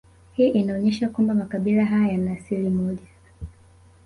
Hii inaonesha kwamba makabila haya yana asili moja